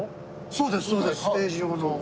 そうですそうですステージ用の。